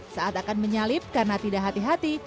saat akan menyalip karena tidak hati hati